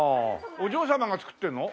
お嬢様が作ってるの？